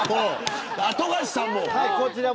富樫さんも。